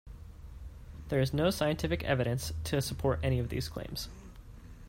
There is no scientific evidence to support any of these claims.